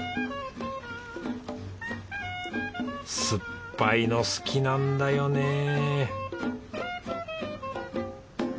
酸っぱいの好きなんだよね